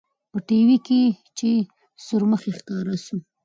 په ټي وي کښې چې سورمخى ښکاره سو.